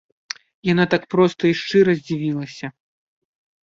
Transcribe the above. Яна так проста і шчыра здзівілася.